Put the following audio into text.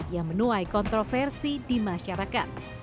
yang menuai kontroversi di masyarakat